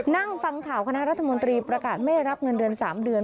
นั่งฟังข่าวคณะรัฐมนตรีประกาศไม่รับเงินเดือน๓เดือน